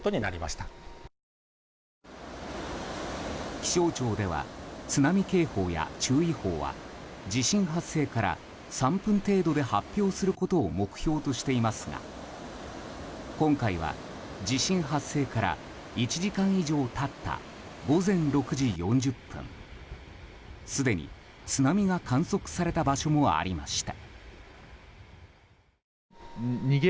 気象庁では津波警報や注意報は地震発生から３分程度で発表することを目標としていますが今回は地震発生から１時間以上経った午前６時４０分すでに津波が観測された場所もありました。